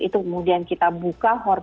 itu kemudian kita buka